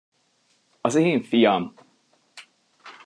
Az én fiam!